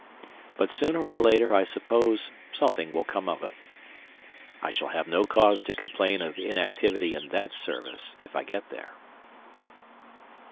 But sooner or later I suppose something will come of it. I shall have no cause to complain of inactivity in that Service, if I get there.